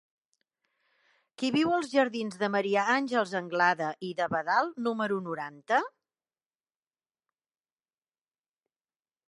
Qui viu als jardins de Maria Àngels Anglada i d'Abadal número noranta?